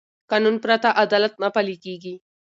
قانون پرته عدالت نه پلي کېږي